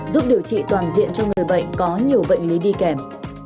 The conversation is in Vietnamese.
giúp điều trị toàn diện cho người bệnh có nhiều bệnh lý đi kèm